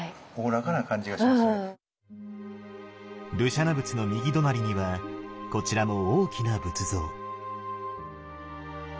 盧舎那仏の右隣にはこちらも大きな仏像。